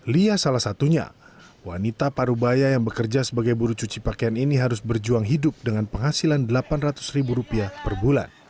lia salah satunya wanita parubaya yang bekerja sebagai buru cuci pakaian ini harus berjuang hidup dengan penghasilan rp delapan ratus ribu rupiah per bulan